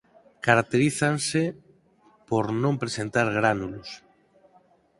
Caracterízanse por non presentar gránulos.